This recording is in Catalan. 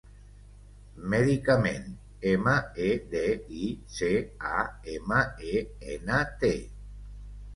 Medicament: ema, e, de, i, ce, a, ema, e, ena, te.